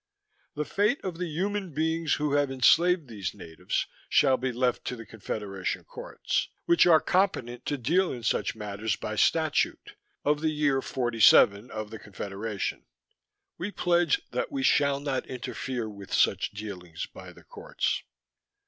The fate of the human beings who have enslaved these natives shall be left to the Confederation Courts, which are competent to deal in such matters by statute of the year forty seven of the Confederation. We pledge that We shall not interfere with such dealings by the Courts.